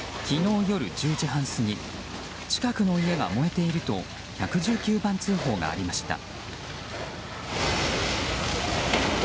昨日夜１０時半過ぎ近くの家が燃えていると１１９番通報がありました。